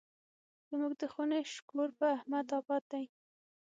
زموږ د خونې شکور په احمد اباد دی.